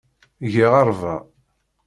Giɣ arba.